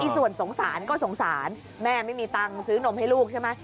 ส่วนสงสารก็สงสารแม่ไม่มีตังค์ซื้อนมให้ลูกใช่ไหม